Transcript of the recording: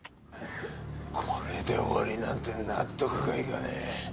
これで終わりなんて納得がいかねえ。